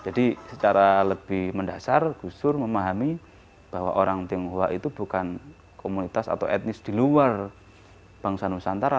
jadi secara lebih mendasar gustur memahami bahwa orang tionghoa itu bukan komunitas atau etnis di luar bangsa nusantara